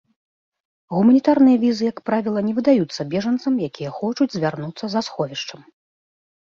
Гуманітарныя візы, як правіла, не выдаюцца бежанцам, якія хочуць звярнуцца за сховішчам.